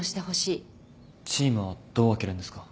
チームはどう分けるんですか？